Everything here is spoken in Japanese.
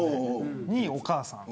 ２位、お母さん。